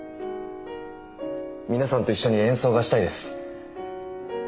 皆さんと一緒に演奏がしたいです。